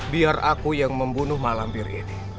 biar aku yang membunuh malampir ini